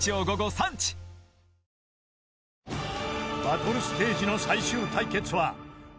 ［バトルステージの最終対決は］